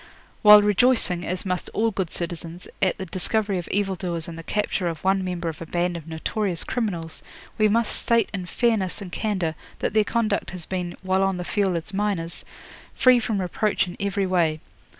'While rejoicing, as must all good citizens, at the discovery of evil doers and the capture of one member of a band of notorious criminals, we must state in fairness and candour that their conduct has been, while on the field as miners, free from reproach in every way.